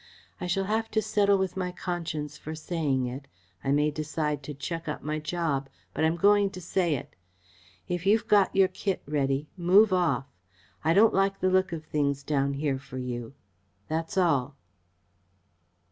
I shall have to settle with my conscience for saying it I may decide to chuck up my job but I'm going to say it. If you've got your kit ready, move off. I don't like the look of things down here for you. That's all."